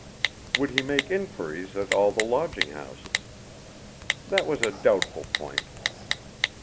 Would he make inquiries at all the lodging houses? That was a doubtful point.